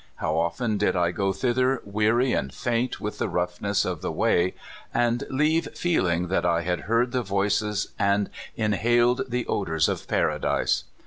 How often did I go thither weary and faint with the roughness of the way, and leave feeling that I had heard the voices and inhaled the odors of paradise!